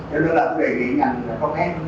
cho nên là tôi đề nghị ngành là công ác